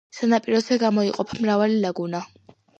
სანაპიროებზე გამოიყოფა მრავალი ლაგუნა.